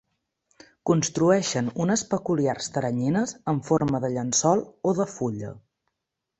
Construeixen unes peculiars teranyines en forma de llençol o de fulla.